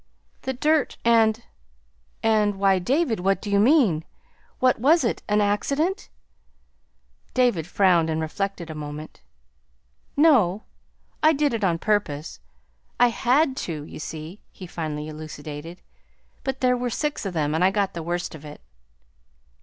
"The dirt and and why, David, what do you mean? What was it an accident?" David frowned and reflected a moment. "No. I did it on purpose. I HAD to, you see," he finally elucidated. "But there were six of them, and I got the worst of it."